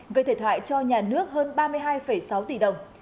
gây thể thoại cho nhà nước hơn ba mươi hai sáu tỷ đồng